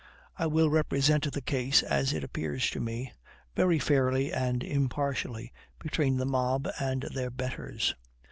I will represent the case, as it appears to me, very fairly and impartially between the mob and their betters.